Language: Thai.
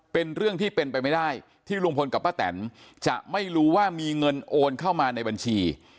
เป็นเรื่องที่เป็นไปไม่ได้ที่ลุงพลกับป้าแตนจะไม่รู้ว่ามีเงินโอนเข้ามาในบัญชี